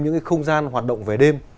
những không gian hoạt động về đêm